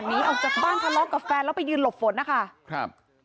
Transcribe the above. หนีออกจากบ้านทะเลาะกับแฟนแล้วไปยืนหลบฝนนะคะครับ